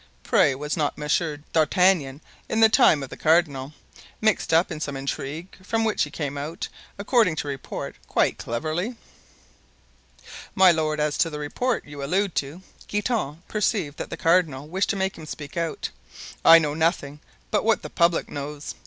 Pray, was not Monsieur d'Artagnan, in the time of the cardinal, mixed up in some intrigue from which he came out, according to report, quite cleverly?" "My lord, as to the report you allude to"—Guitant perceived that the cardinal wished to make him speak out—"I know nothing but what the public knows.